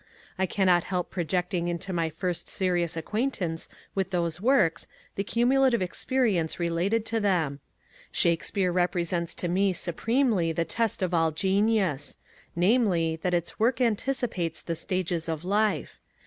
I cannot help projecting into my first serious acquaintance with those works the cumulative experience related to them. Shakespeare represents to me supremely the test of all genius ; WALT WHITMAN 216 namely, that its work anticipates the stages of life.